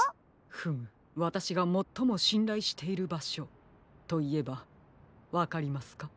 フムわたしがもっともしんらいしているばしょといえばわかりますか？